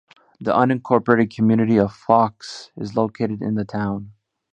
The unincorporated community of Phlox is located in the town.